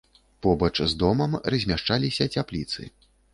Побач з домам размяшчаліся цяпліцы.